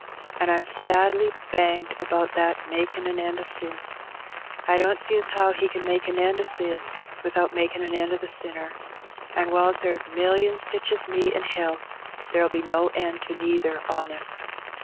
An' Pm sadly banged about that 'makin^ an end o' sin'; I don't see as how He can make an end o* sin without makin' an end o* the sinner; an' whiles there is millions sich as me in hell, there'll be no end to neither on 'em.